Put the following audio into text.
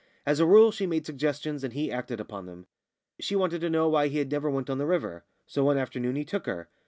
As a rule she made suggestions, and he acted upon them. She wanted to know why he never went on the river; so one afternoon he took her.